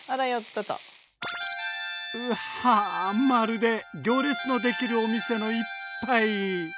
まるで行列のできるお店の一杯！